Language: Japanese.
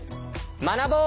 学ぼう！